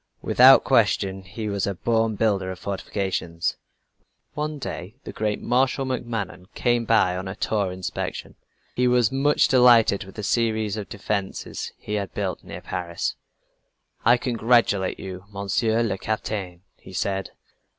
Without question he was a born builder of fortifications. One day the great Marshal MacMahon came by on a tour of inspection, and was much delighted with a series of defenses he had built near Paris. "I congratulate you, Monsieur le Capitaine!" he said.